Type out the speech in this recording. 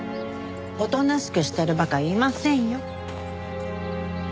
おとなしくしてる馬鹿いませんよ。